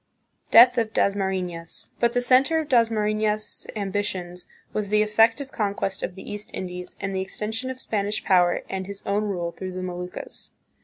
Death of Dasmarifias. But the center of Dasmarifias' ambitions was the effective conquest of the East Indies and the extension of Spanish power and his own rule through the Moluccas.